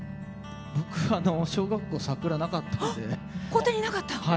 僕は、小学校桜なかったんで。